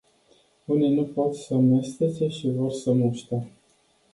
Unii nu pot să mestece și vor să muște!